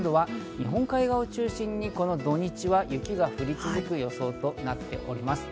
今度は日本海側を中心にこの土日は雪が降り続く予想となっております。